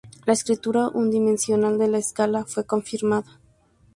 La estructura unidimensional de la escala fue confirmada.